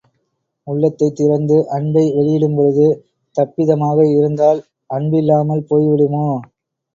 உள்ளத்தைத் திறந்து அன்பை வெளியிடும்பொழுது தப்பிதமாக இருந்தால், அன்பில்லாமல் போய்விடுமோ?